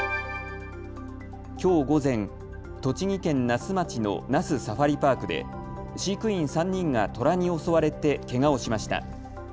きょう午前、栃木県那須町の那須サファリパークで飼育員３人がトラに襲われてけがをしました。